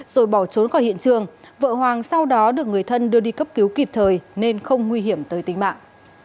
rồi bỏ trốn khỏi hiện trường vợ hoàng sau đó được người thân đưa đi cấp cứu kịp thời nên không nguy hiểm tới tính mạng